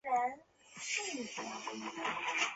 在那里居住期间她完成了中等教育。